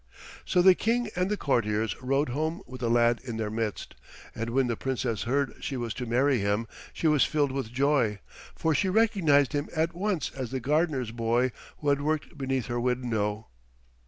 So the King and the courtiers rode home with the lad in their midst, and when the Princess heard she was to marry him she was filled with joy, for she recognized him at once as the gardener's boy who had worked beneath her window.